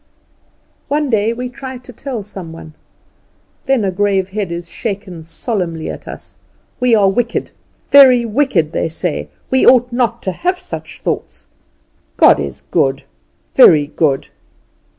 One day we try to tell some one. Then a grave head is shaken solemnly at us. We are wicked, very wicked, they say we ought not to have such thoughts. God is good, very good.